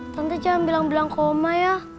tante jangan bilang bilang ke oma ya